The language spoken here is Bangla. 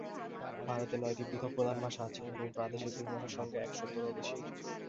ভারতে নয়টি পৃথক প্রধান ভাষা আছে এবং প্রাদেশিক উপভাষার সংখ্যা একশতেরও বেশী।